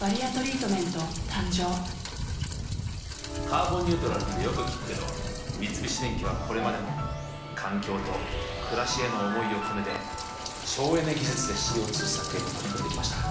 「カーボンニュートラル」ってよく聞くけど三菱電機はこれまでも環境と暮らしへの思いを込めて省エネ技術でＣＯ２削減に取り組んできました。